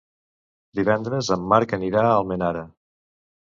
Divendres en Marc anirà a Almenara.